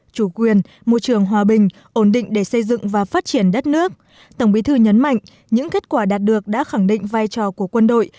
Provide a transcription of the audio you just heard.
chủ quyền môi trường hòa bình ổn định để xây dựng và phát triển đất nước tổng bí thư nhấn mạnh những kết quả đạt được đã khẳng định vai trò của quân đội